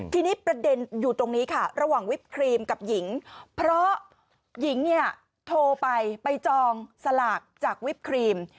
ทีนี้ประเด็นอยู่ตรงนี้ค่ะระหว่างวิปครีมกับหญิงเพราะหญิงเนี่ยโทรไปไปจองสลากจากวิปครีม